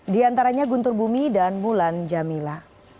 di antaranya guntur bumi dan mulan jamila